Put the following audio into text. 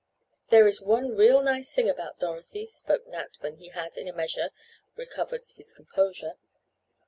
"There is one real nice thing about Dorothy," spoke Nat when he had, in a measure recovered his composure.